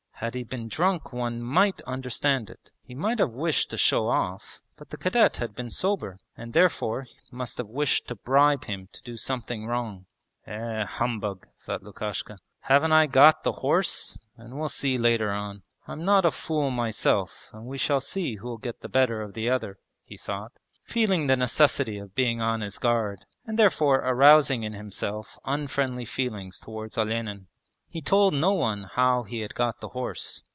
Had he been drunk one might understand it! He might have wished to show off. But the cadet had been sober, and therefore must have wished to bribe him to do something wrong. 'Eh, humbug!' thought Lukashka. 'Haven't I got the horse and we'll see later on. I'm not a fool myself and we shall see who'll get the better of the other,' he thought, feeling the necessity of being on his guard, and therefore arousing in himself unfriendly feelings towards Olenin. He told no one how he had got the horse.